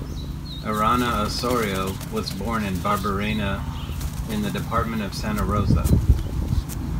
Arana Osorio was born in Barberena, in the department of Santa Rosa.